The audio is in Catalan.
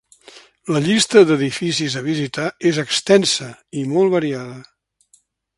La llista d’edificis a visitar és extensa i molt variada.